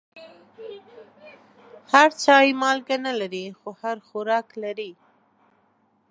هر چای مالګه نه لري، خو هر خوراک لري.